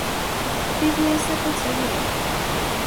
Objevuje se po celý rok.